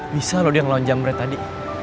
bisa loh dia ngelonjang berat tadi